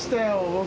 僕。